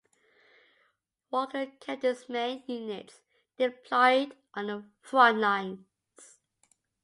Walker kept his main units deployed on the front lines.